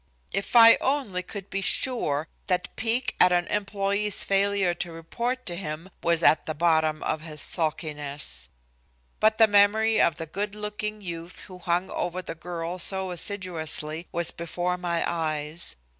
If I only could be sure that pique at an employee's failure to report to him was at the bottom of his sulkiness! But the memory of the good looking youth who hung over the girl so assiduously was before my eyes.